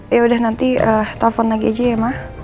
yaudah nanti telfon lagi aja ya mah